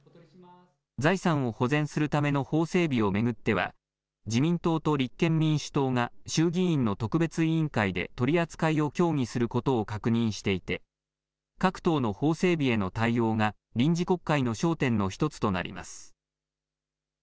財産を保全するための法整備を巡っては自民党と立憲民主党が衆議院の特別委員会で取り扱いを協議することを確認していて各党の法整備への対応が臨時国会の焦点の１つとなります。